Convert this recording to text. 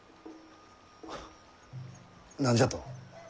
は何じゃと？